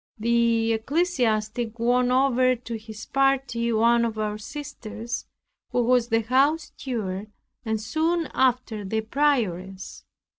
The ecclesiastic won over to his party one of our sisters, who was the house steward and soon after the prioress.